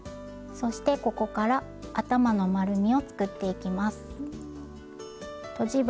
そしてここから頭の丸みを作っていきます。